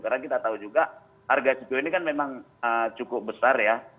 karena kita tahu juga harga cpo ini kan memang cukup besar ya